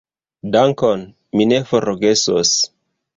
Dankon, mi ne forgesos.